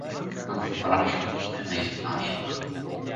Аз забравих мъките на изгнанието.